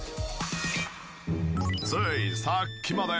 ついさっきまで。